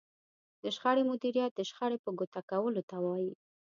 د شخړې مديريت د شخړې په ګوته کولو ته وايي.